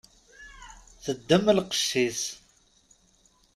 Teddem lqec-is.